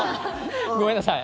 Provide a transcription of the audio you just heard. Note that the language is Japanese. ごめんなさい。